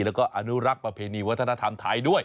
แล้วก็อนุรักษ์ประเพณีวัฒนธรรมไทยด้วย